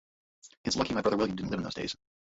It's lucky my brother William didn't live in those days.